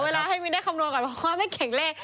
ให้มินได้คำนวณก่อนเพราะว่าไม่เก่งเลข